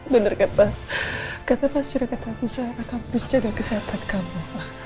bener kata kata pak suri kata aku seharusnya kamu jaga kesehatan kamu